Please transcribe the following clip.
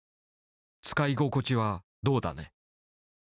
「使い心地はどうだね」。